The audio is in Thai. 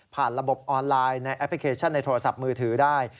ระบบออนไลน์ในแอปพลิเคชันในโทรศัพท์มือถือได้